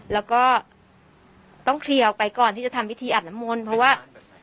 แล้วก็ต้องเคลียร์ออกไปก่อนที่จะทำพิธีอาบน้ำมนต์เพราะว่า